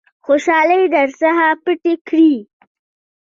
خوشالۍ در څخه پټې کړي .